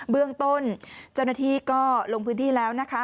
เบื้องต้นเจ้าหน้าที่ก็ลงพื้นที่แล้วนะคะ